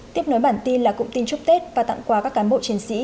tiếp nối bản tin là cụm tin chúc tết và tặng quà các cán bộ chiến sĩ